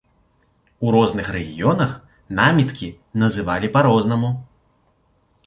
У розных рэгіёнах наміткі называлі па-рознаму.